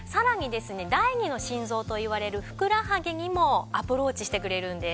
第二の心臓といわれるふくらはぎにもアプローチしてくれるんです。